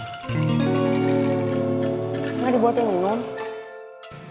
emang dibuat yang unggam